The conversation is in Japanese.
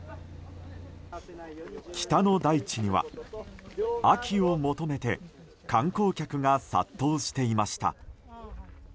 北の大地には秋を求めて観光客が殺到していました。